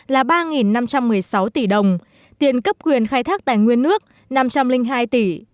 là ba năm trăm một mươi sáu tỷ đồng tiền cấp quyền khai thác tài nguyên nước năm trăm linh hai tỷ